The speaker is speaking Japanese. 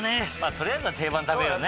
取りあえずは定番食べようね。